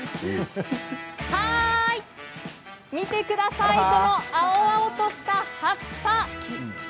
見てください青々とした葉っぱ。